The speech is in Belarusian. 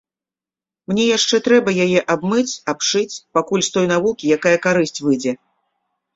Мне яшчэ трэба яе абмыць, абшыць, пакуль з той навукі якая карысць выйдзе.